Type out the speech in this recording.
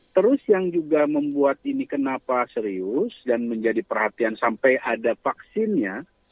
terus yang juga membuat ini kenapa serius dan menjadi perhatian sampai ada vaksinnya